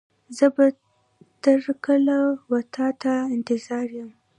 زه به تر کله و تا ته انتظار يم.